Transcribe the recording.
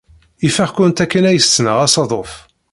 Ifeɣ-kent akken ay ssneɣ asaḍuf.